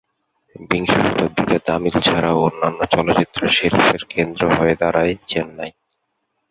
বিংশ শতাব্দীতে তামিল ছাড়াও অন্যান্য চলচ্চিত্র শিল্পের কেন্দ্র হয়ে দাঁড়ায় চেন্নাই।